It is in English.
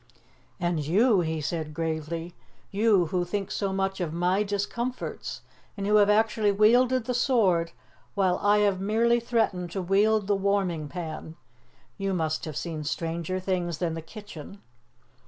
"And you," he said, gravely, "you who think so much of my discomforts, and who have actually wielded the sword while I have merely threatened to wield the warming pan you must have seen stranger things than the kitchen."